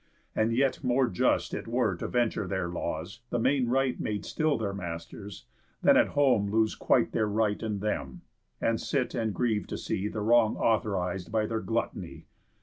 And yet more just It were to venture their laws, the main right Made still their masters, than at home lose quite Their right and them, and sit and grieve to see The wrong authoriz'd by their gluttony.